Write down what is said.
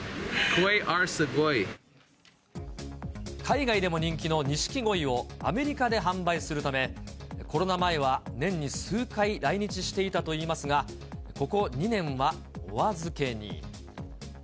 海外でも人気のニシキゴイをアメリカで販売するため、コロナ前は年に数回来日していたといいますが、ここ２年はお預けに。